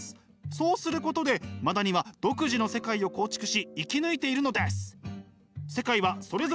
そうすることでマダニは独自の世界を構築し生き抜いているのです。